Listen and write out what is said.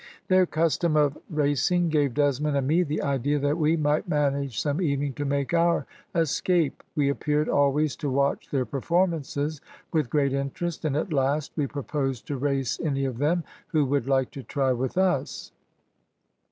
Their custom of racing gave Desmond and me the idea that we might manage some evening to make our escape. We appeared always to watch their performances with great interest, and, at last, we proposed to race any of them who would like to try with us.